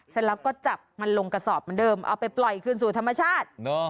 เสร็จแล้วก็จับมันลงกระสอบเหมือนเดิมเอาไปปล่อยคืนสู่ธรรมชาติ